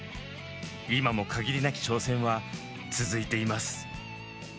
今も限りなき挑戦は続いています。